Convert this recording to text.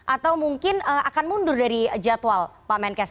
atau mungkin akan mundur dari jadwal pak menkes